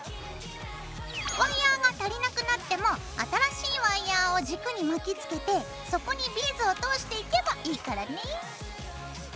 ワイヤーが足りなくなっても新しいワイヤーを軸に巻きつけてそこにビーズを通していけばいいからね。